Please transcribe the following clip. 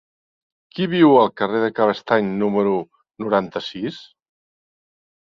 Qui viu al carrer de Cabestany número noranta-sis?